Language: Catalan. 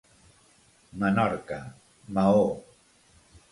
Menorca, Maó.